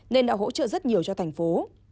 nên đã hỗ trợ rất nhiều cho thành phố